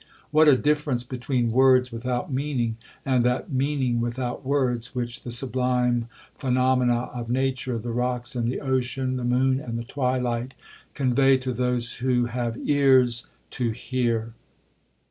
What a difference between words without meaning, and that meaning without words, which the sublime phenomena of nature, the rocks and the ocean, the moon and the twilight, convey to those who have 'ears to hear.'